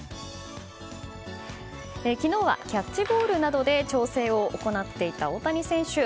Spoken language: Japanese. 昨日はキャッチボールなどで調整を行っていた大谷選手。